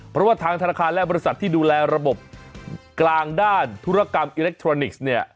เพราะว่าทางธนาคารและบริษัทที่ดูแลระบบกลางด้านธุรกรรมอิเล็กทรอนิกส์เนี่ย